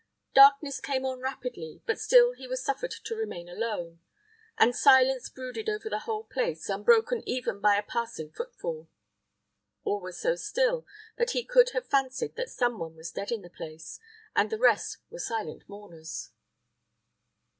Darkness came on rapidly, but still he was suffered to remain alone, and silence brooded over the whole place, unbroken even by a passing footfall. All was so still that he could have fancied that some one was dead in the place, and the rest were silent mourners.